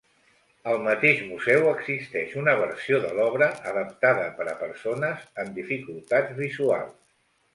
Al mateix museu existeix una versió de l'obra adaptada per a persones amb dificultats visuals.